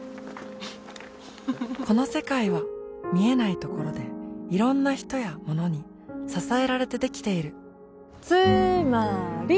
この世界は見えないところでいろんな人やものに支えられてできているつーまーり！